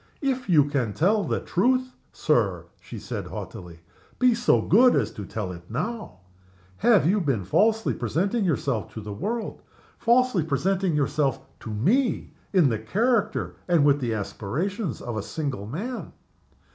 "If you can tell the truth, Sir," she said, haughtily, "be so good as to tell it now. Have you been falsely presenting yourself to the world falsely presenting yourself to me in the character and with the aspirations of a single man?